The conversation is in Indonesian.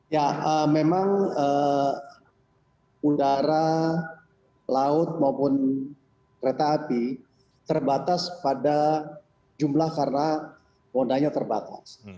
ya memang udara laut maupun kereta api terbatas pada jumlah karena modanya terbatas